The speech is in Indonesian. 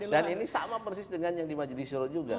dan ini sama persis dengan yang di majlis syuroh juga